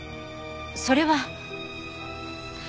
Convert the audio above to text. それは。